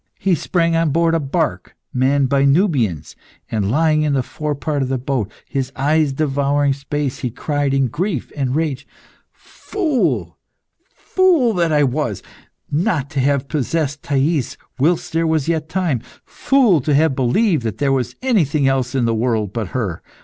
He sprang on board a barque manned by Nubians, and lying in the forepart of the boat, his eyes devouring space, he cried, in grief and rage "Fool, fool, that I was, not to have possessed Thais whilst there was yet time! Fool to have believed that there was anything else in the world but her!